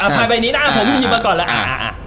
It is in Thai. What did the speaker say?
ไพ่ใบนี้นะผมพิมพ์ก่อนเลย